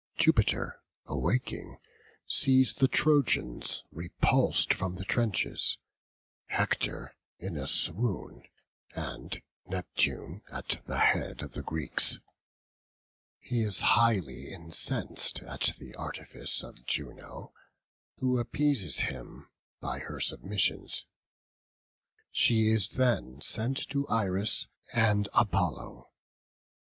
Jupiter, awaking, sees the Trojans repulsed from the trenches, Hector in a swoon, and Neptune at the head of the Greeks; he is highly incensed at the artifice of Juno, who appeases him by her submissions; she is then sent to Iris and Apollo.